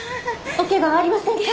お怪我はありませんか？